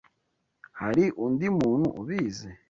Hari undi muntu ubizi?